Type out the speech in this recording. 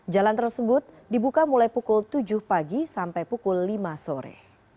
jalan tersebut dibuka mulai pukul tujuh pagi sampai pukul lima sore